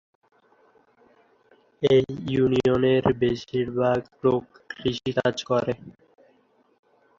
এ ইউনিয়নের বেশির ভাগ লোক কৃষি কাজ করে।